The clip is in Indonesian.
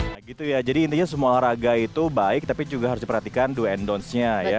nah gitu ya jadi intinya semua warga itu baik tapi juga harus diperhatikan do and don't nya ya